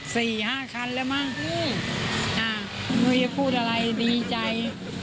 สัก๔๕คันแล้วมั้งนี่นี่จะพูดอะไรดีใจ